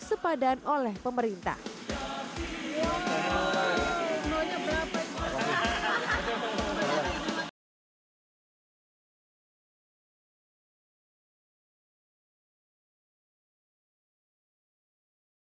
sepadaan oleh pemerintah ya hai semuanya berapa itu aja hahaha